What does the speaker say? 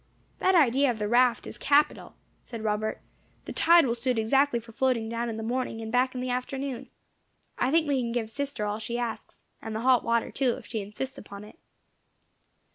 "That idea of the raft is capital," said Robert. "The tide will suit exactly for floating down in the morning and back in the afternoon. I think we can give sister all she asks, and the hot water too, if she insists upon it."